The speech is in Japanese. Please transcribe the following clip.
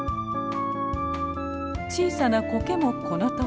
小さなコケもこのとおり。